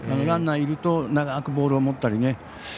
ランナーいると長くボールを持ったり。